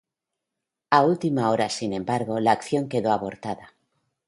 A última hora, sin embargo, la acción quedó abortada.